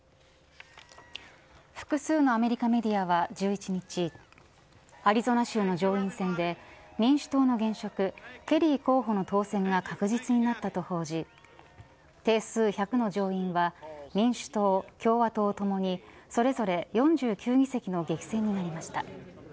複数のアメリカメディアは１１日アリゾナ州の上院選で民主党の現職ケリー候補の当選が確実になったと報じ定数１００の上院は民主党、共和党ともにそれぞれ４９議席の激戦になりました。